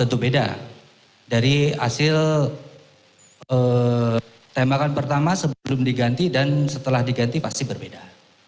itu beda dari hasil tembakan pertama sebelum diganti dan setelah diganti pasti berbeda